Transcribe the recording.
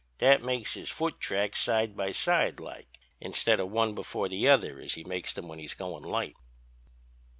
That makes his foot tracks side by side like, instead of one before the other as he makes them when he's goin' light."'